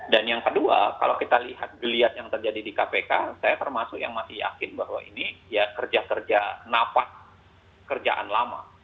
dan yang kedua kalau kita lihat lihat yang terjadi di kpk saya termasuk yang masih yakin bahwa ini kerja kerja napas kerjaan lama